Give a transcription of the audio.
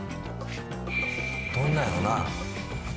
どんなんやろな？